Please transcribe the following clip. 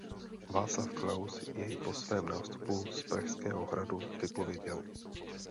Václav Klaus jej po svém nástupu z Pražského hradu vypověděl.